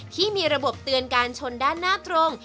ที่มีระบบเตือนการชนด้านหน้าตรง